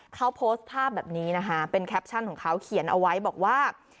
เขาโพสต์ภาพแบบนี้นะคะเป็นแคปชั่นของเขาเขียนเอาไว้บอกว่า